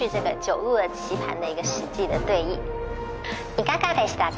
いかがでしたか？